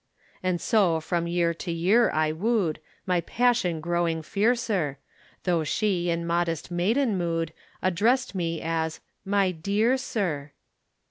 And so from year to year I wooed, My passion growing fiercer, Though she in modest maiden mood Addressed me as "My dear sir."